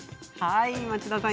町田さん